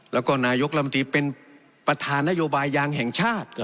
แล้วก็นายกรัฐมนตรีเป็นประธานนโยบายยางแห่งชาติ